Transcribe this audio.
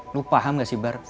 lo paham gak sih bar